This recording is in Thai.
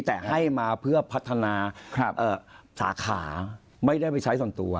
แต่ให้มาเพื่อพัฒนาสาขาไม่ได้ไปใช้ส่วนตัว